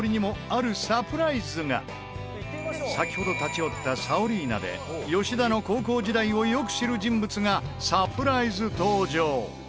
先ほど立ち寄ったサオリーナで吉田の高校時代をよく知る人物がサプライズ登場。